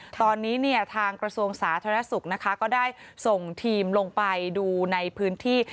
ตอนนี้เนี่ยทางกระทรวงสาธารณสุขนะคะก็ได้ส่งทีมลงไปดูในพื้นที่